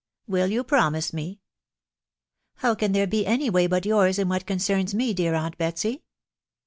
..„ Will you promise me?" " How can there be any way but yours in what concerns me, dear aunt Betsy